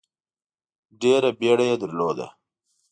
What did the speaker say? ډېره بیړه یې درلوده.